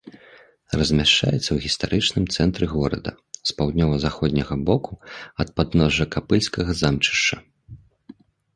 Размяшчаецца ў гістарычным цэнтры горада з паўднёва-заходняга боку ад падножжа капыльскага замчышча.